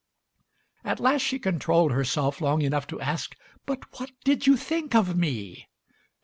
At last she controlled herself long enough to ask: "But what did you think of me?"